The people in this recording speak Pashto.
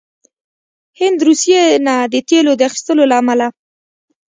هند روسيې نه د تیلو د اخیستلو له امله